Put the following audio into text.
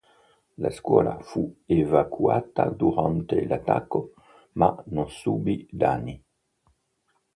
La scuola fu evacuata durante l'attacco, ma non subì danni.